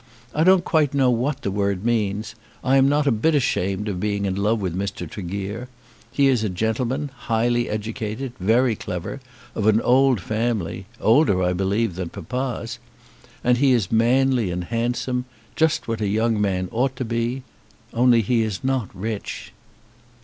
I don't quite know what the word means. I am not a bit ashamed of being in love with Mr. Tregear. He is a gentleman, highly educated, very clever, of an old family, older, I believe, than papa's. And he is manly and handsome; just what a young man ought to be. Only he is not rich."